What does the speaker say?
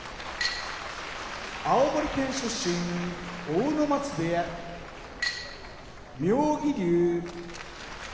青森県出身阿武松部屋妙義龍